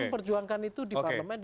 memperjuangkan itu di parlemen